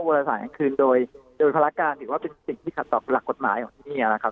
เวลาสารกลางคืนโดยโดยภารการถือว่าเป็นสิ่งที่ขัดต่อหลักกฎหมายของที่นี่นะครับ